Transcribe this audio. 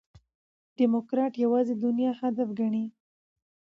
ډيموکراټ یوازي دنیا هدف ګڼي.